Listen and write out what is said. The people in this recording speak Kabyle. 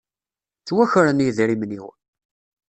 Ttwakren yedrimen-iw.